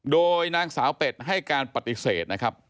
โดยนางสาวเป็ดให้การปฏิเสธนะครับ